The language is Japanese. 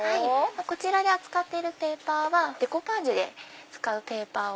こちらで扱っているペーパーはデコパージュで使うペーパー。